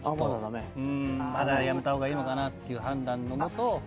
うーんまだやめた方がいいのかなっていう判断の下